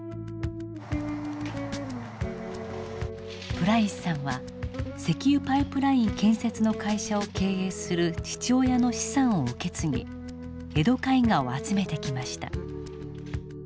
プライスさんは石油パイプライン建設の会社を経営する父親の資産を受け継ぎ江戸絵画を集めてきました。